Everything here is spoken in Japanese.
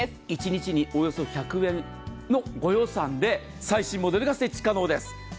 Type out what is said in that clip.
１日におよそ１００円のご予算で最新モデルが設置可能です。